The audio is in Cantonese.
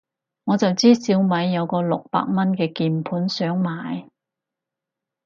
我就知小米有個六百蚊嘅鍵盤想買